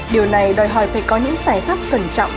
điều này đòi hỏi phải có những giải pháp cẩn trọng